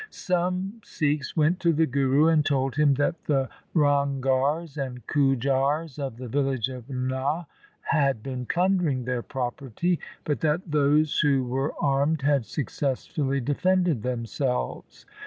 Some Sikhs went to the Guru and told him that the Ranghars and Gujars of the village of Nuh had been plundering their property, but that those who were armed had successfully defended themselves.